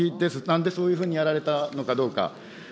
なんでそういうふうにやられたのかどうか。